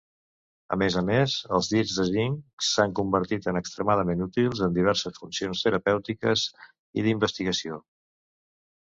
A més a més, els dits de zinc s'han convertit en extremadament útils en diverses funcions terapèutiques i d'investigació.